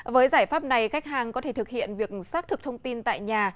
với giải pháp này khách hàng có thể thực hiện việc xác thực thông tin tại nhà